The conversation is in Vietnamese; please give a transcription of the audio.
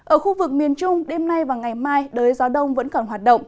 ở khu vực miền trung đêm nay và ngày mai đới gió đông vẫn còn hoạt động